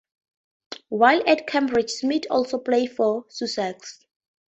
While at Cambridge, Smith also played for Sussex.